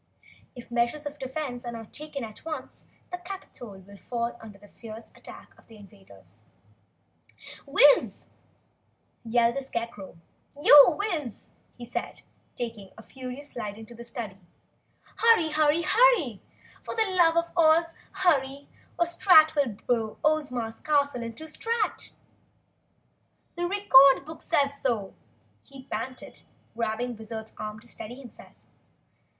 "If measures of defense are not taken at once, the capitol will fall under the fierce attack of the invaders!" "Wiz! YO, WIZ!" yelled the Scarecrow, taking a furious slide into the study. "Hurry! HURRY! For the love of Oz, hurry or Strut will blow Ozma's castle into the Strat! The Record Book says so!" he panted, grabbing the Wizard's arm to steady himself.